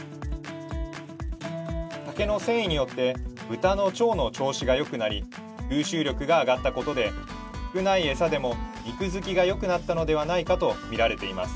竹の繊維によって豚の腸の調子がよくなり吸収力が上がったことで少ないエサでも肉づきがよくなったのではないかと見られています